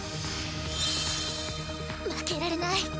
負けられない。